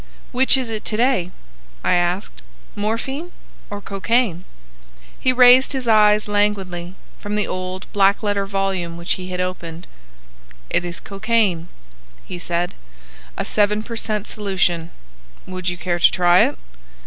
"Which is it to day?" I asked,—"morphine or cocaine?" He raised his eyes languidly from the old black letter volume which he had opened. "It is cocaine," he said,—"a seven per cent. solution. Would you care to try it?"